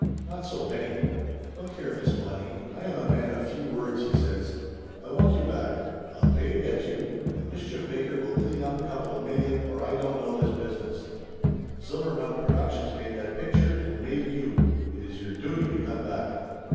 Not so Benny. "Look here, Miss Bonnie, I am a man of few words/* he says. "I want you back. I'll pay to get you. The Mischief Maker will clean up a couple of million or I don't know this business. Silvermount Produc tions made that picture and made you. It is your duty to come back."